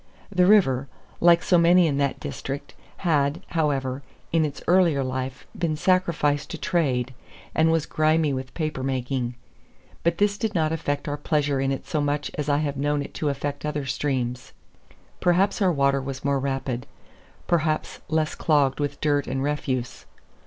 The river, like so many in that district, had, however, in its earlier life been sacrificed to trade, and was grimy with paper making. But this did not affect our pleasure in it so much as I have known it to affect other streams. Perhaps our water was more rapid; perhaps less clogged with dirt and refuse.